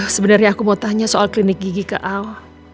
sebenarnya aku mau tanya soal klinik gigi ke awal